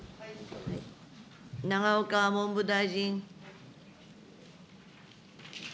永岡文部大臣。